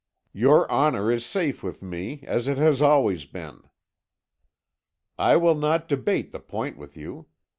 "'Your honour is safe with me, as it has always been." "'I will not debate the point with you.